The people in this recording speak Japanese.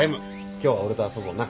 今日は俺と遊ぼうな。